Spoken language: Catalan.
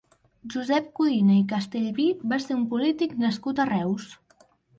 Josep Codina i Castellví va ser un polític nascut a Reus.